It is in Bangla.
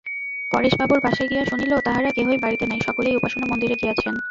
পরেশবাবুর বাসায় গিয়া শুনিল তাঁহারা কেহই বাড়িতে নাই, সকলেই উপাসনা-মন্দিরে গিয়াছেন।